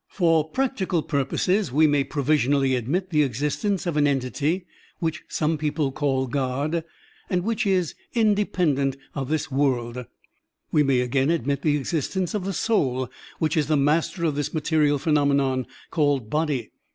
For practical purposes we may provision ally admit the existence of an entity which some people call God and which is independent of this Digitized by Google THE MIDDLE WAY 99 world; we may again admit the existence of the soul which is the master of this material phe nomenon called body.